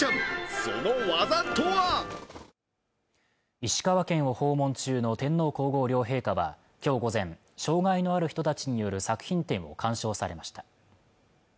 石川県を訪問中の天皇皇后両陛下は今日午前障害のある人たちによる作品展を鑑賞されました